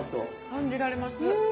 感じられます。